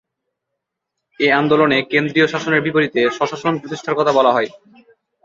এ আন্দোলনে কেন্দ্রীয় শাসনের বিপরীতে স্বশাসন প্রতিষ্ঠার কথা বলা হয়।